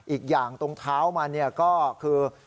อีกอย่างตรงเท้ามันก็คือ